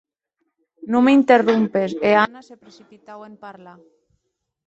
Non m'interrompes, e Anna se precipitaue en parlar.